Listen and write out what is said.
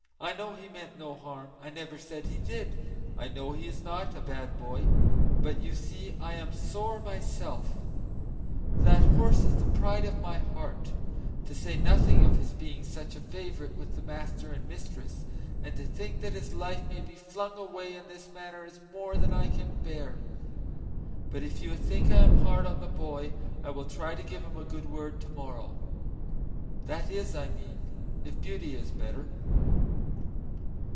I know he meant no harm, I never said he did; I know he is not a bad boy. But you see, I am sore myself; that horse is the pride of my heart, to say nothing of his being such a favorite with the master and mistress; and to think that his life may be flung away in this manner is more than I can bear. But if you think I am hard on the boy I will try to give him a good word to morrow that is, I mean if Beauty is better."